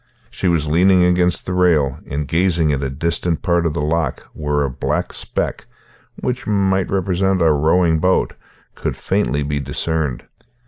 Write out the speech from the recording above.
She was leaning against the rail, and gazing at a distant part of the loch where a black speck, which might represent a rowing boat, could faintly be discerned.